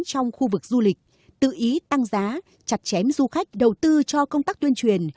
trong khu vực du lịch tự ý tăng giá chặt chém du khách đầu tư cho công tác tuyên truyền